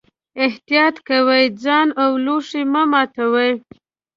احتیاط کوئ، ځان او لوښي مه ماتوئ.